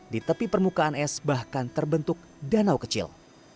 di tepi permukaan es bahkan terbentuk danau kecil